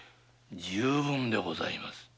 十分でございます。